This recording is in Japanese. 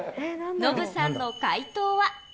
ノブさんの解答は。